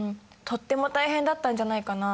とっても大変だったんじゃないかな。